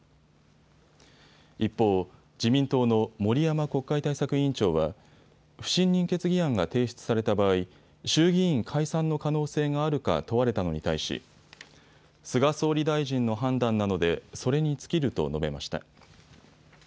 一方、自民党の森山国会対策委員長は不信任決議案が提出された場合、衆議院解散の可能性があるか問われたのに対し菅総理大臣の判断なのでそれに尽きると述べました。